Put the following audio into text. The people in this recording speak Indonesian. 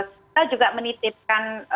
kita juga menitipkan